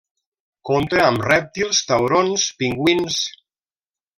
Compta amb rèptils, taurons, pingüins.